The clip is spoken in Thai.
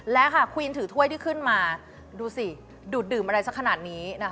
และค่ะควีนถือถ้วยที่ขึ้นมาดูสิดูดดื่มอะไรสักขนาดนี้นะคะ